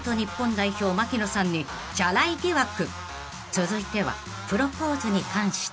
［続いてはプロポーズに関して］